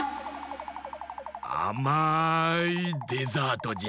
あまいデザートじゃ！